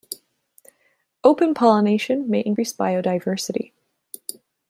Open pollination may increase biodiversity.